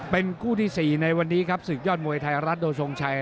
เป็นคู่ที่๔ในวันนี้ครับศึกยอดมวยไทยรัฐโดยทรงชัย